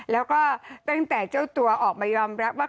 แล้วก็ตั้งแต่เจ้าตัวออกมายอมรับว่า